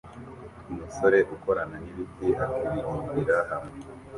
Umusore ukorana nibiti akabihambira hamwe